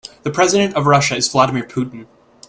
The president of Russia is Vladimir Putin.